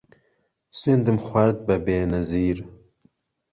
سویندم خوارد بە بێنەزیر